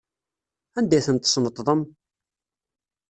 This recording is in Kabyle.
Anda ay ten-tesneṭḍem?